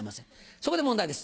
そこで問題です。